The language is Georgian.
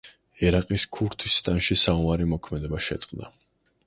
ერაყის ქურთისტანში საომარი მოქმედება შეწყდა.